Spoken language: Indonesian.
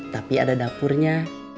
tapi ada dapurnya